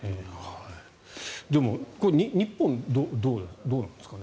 でも、日本どうなんですかね？